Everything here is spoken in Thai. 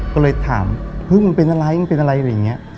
ก็เลยถามเฮ้ยมันเป็นอะไรมันเป็นอะไรอะไรอย่างนี้